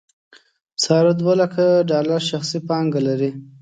ساره دولکه ډالر شخصي پانګه لري.